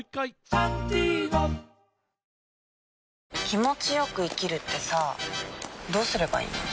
気持ちよく生きるってさどうすればいいの？